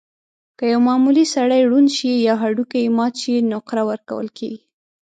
که یو معمولي سړی ړوند شي یا هډوکی یې مات شي، نقره ورکول کېږي.